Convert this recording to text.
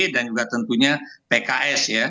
dan juga tentunya pks ya